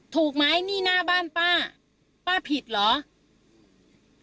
ถูกไหมนี่หน้าบ้านป้าป้าผิดเหรอ